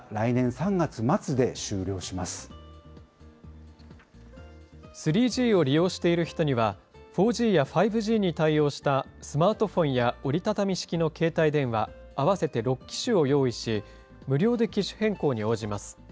３Ｇを利用している人には、４Ｇや５Ｇに対応したスマートフォンや折り畳み式の携帯電話、合わせて６機種を用意し、無料で機種変更に応じます。